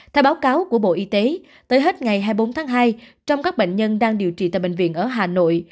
theo báo cáo của bộ y tế tới hết ngày hai mươi bốn tháng hai trong các bệnh nhân đang điều trị tại bệnh viện ở hà nội